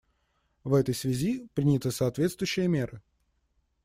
В этой связи приняты соответствующие меры.